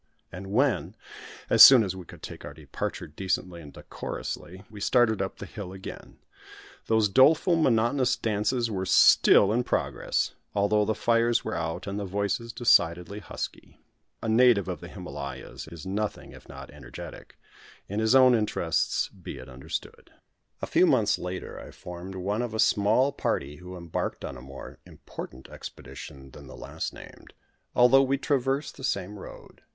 And when, as soon as we could take our departure decently and decorously, we started up the hill again, those doleful monotonous dances were still in progress, although the fires were out, and the voices decidedly husky. A native of the Himalayas is nothing if not energetic in his own interests be it understood. A few months later I formed one of a small party who embarked on a more important expedition than the last named, although we traversed the same road.